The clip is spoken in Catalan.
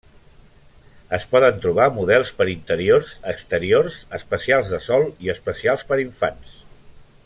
Es poden trobar models per interiors, exteriors, especials de sol, i especials per infants.